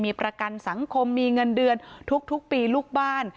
มีประกันสังคมมีเงินเดือนทุกปีลูกบ้าน